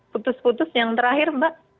putus putus yang terakhir mbak